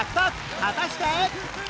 果たして